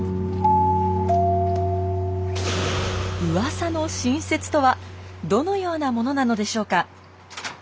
うわさの新説とはどのようなものなのでしょうか？